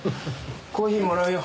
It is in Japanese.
コーヒーもらうよ。